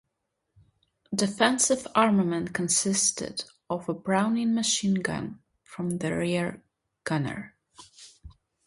Defensive armament consisted of a Browning machine gun for the rear gunner.